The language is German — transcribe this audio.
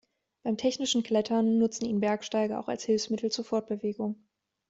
Beim technischen Klettern nutzen ihn Bergsteiger auch als Hilfsmittel zur Fortbewegung.